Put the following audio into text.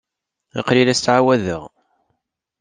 Aql-iyi la as-ttɛawadeɣ.